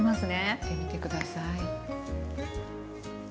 食べてみて下さい。